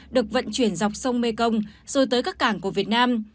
được vận chuyển dọc sông mê công rồi tới các cảng của việt nam